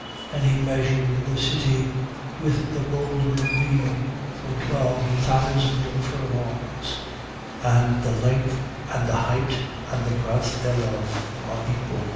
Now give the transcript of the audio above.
And he measured the city with the golden reed for twelve thousand furlongs: and the length and the height and the breadth thereof are equal.